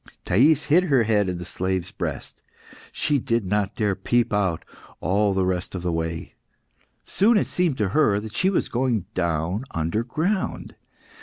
Thais hid her head in the slave's breast. She did not dare to peep out all the rest of the way. Soon it seemed to her that she was going down under ground.